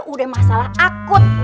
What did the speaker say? udah masalah akut